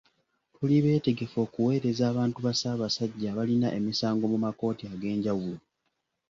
Tuli beetegefu okuweereza abantu ba Ssaabasajja abalina emisango mu makkooti ag'enjawulo.